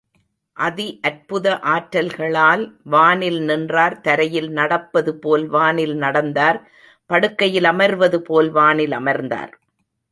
அதி அற்புத ஆற்றல்களால் வானில் நின்றார் தரையில் நடப்பதுபோல் வானில் நடந்தார் படுக்கையில் அமர்வதுபோல் வானில் அமர்ந்தார்.